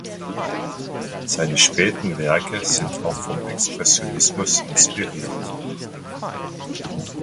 Seine späten Werke sind auch vom Expressionismus inspiriert.